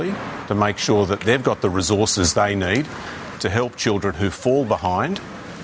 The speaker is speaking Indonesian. untuk memastikan mereka memiliki sumber daya yang mereka butuhkan untuk membantu anak anak yang terlepas